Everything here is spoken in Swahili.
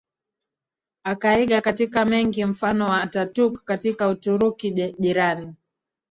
akaiga katika mengi mfano wa Atatürk katika Uturuki jirani